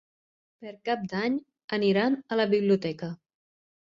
Per Cap d'Any aniran a la biblioteca.